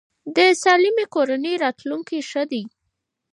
د سالمې کورنۍ راتلونکی ښه دی.